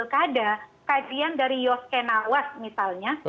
kada kajian dari yoskenawas misalnya